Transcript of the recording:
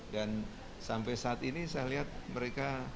dan sampai saat ini saya lihat mereka